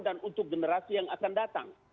dan untuk generasi yang akan datang